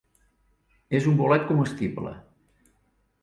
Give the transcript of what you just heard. És un bolet comestible.